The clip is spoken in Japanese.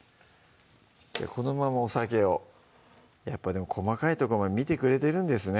このままお酒をやっぱでも細かいとこまで見てくれてるんですね